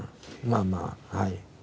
まあまあはい。